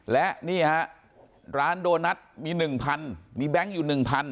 และนี่ฮะร้านโดนัทมี๑๐๐มีแบงค์อยู่๑๐๐